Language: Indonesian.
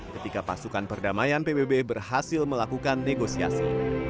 ketika pasukan perdamaian pbb berhasil melakukan negosiasi